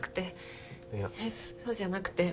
そうじゃなくて。